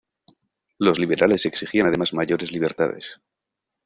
Los liberales exigían además mayores libertades.